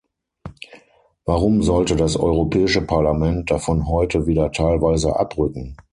Warum sollte das Europäische Parlament davon heute wieder teilweise abrücken?